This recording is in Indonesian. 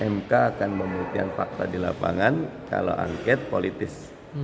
mk akan membuktian fakta di lapangan kalau angket politis